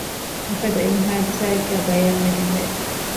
މިފަދަ އެއް ޙާދިޘާއެއްގައި ބަޔާންވެގެންވެ